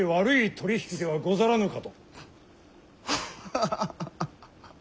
ハハハハハハ！